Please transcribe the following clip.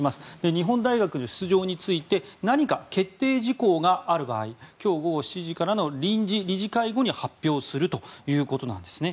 日本大学の出場について何か決定事項がある場合今日午後７時からの臨時理事会後に発表するということなんですね。